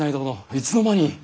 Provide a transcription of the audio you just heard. いつの間に。